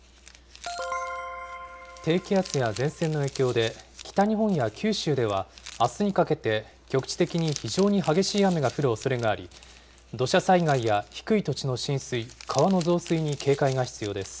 低気圧や前線の影響で、北日本や九州ではあすにかけて、局地的に非常に激しい雨が降るおそれがあり、土砂災害や低い土地の浸水、川の増水に警戒が必要です。